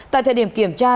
tại thời điểm kiểm tra